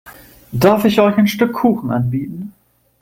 Darf ich euch ein Stück Kuchen anbieten?